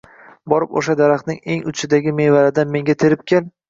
Borib oʻsha daraxtning eng uchidagi mevalardan menga terib kel